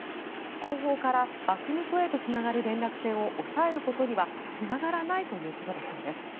後方からバフムトへとつながる連絡線を押さえることにはつながらないということだそうです。